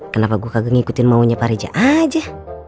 kenapa gua kagak ngikutin maunya pak reja aja